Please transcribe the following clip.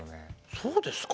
そうですか？